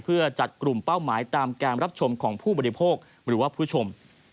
เพื่อจัดกลุ่มเป้าหมายตามการรับชมของผู้บริโภคหรือว่าผู้ชม